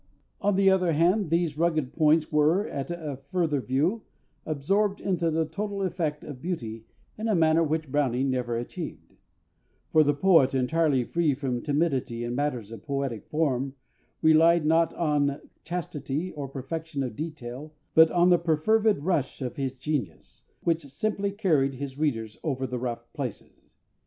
On the other hand, these rugged points were, at a further view, absorbed into the total effect of beauty in a manner which BROWNING never achieved; for the poet, entirely free from timidity in matters of poetic form, relied not on chastity or perfection of detail, but on the perfervid rush of his genius, which simply carried his readers over the rough places.